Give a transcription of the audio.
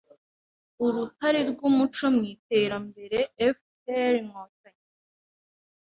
Uruhare rw’umuco mu iterambere; FPR – Inkotanyi